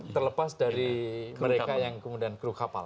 terlepas dari mereka yang kemudian kru kapal